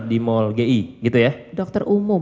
di mall gi gitu ya dokter umum